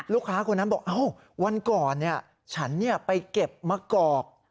ลูกค้าคนนั้นบอกเอ้าวันก่อนฉันไปเก็บมะกอก